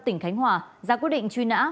tỉnh khánh hòa ra quyết định truy nã